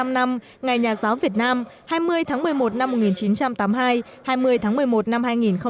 bảy mươi năm năm ngày nhà giáo việt nam hai mươi tháng một mươi một năm một nghìn chín trăm tám mươi hai hai mươi tháng một mươi một năm hai nghìn hai mươi